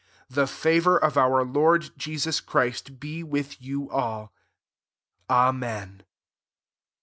24 The favour of our Lord Jesus Christ be with you all. Amen.